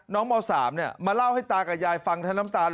น้องม๓เนี่ยมาเล่าให้ตากับยายฟังทั้งน้ำตาล